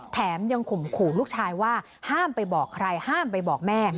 แถมยังข่มขู่ลูกชายว่าห้ามไปบอกใครห้ามไปบอกแม่